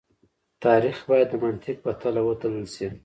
تاريخ بايد د منطق په تله وتلل شي.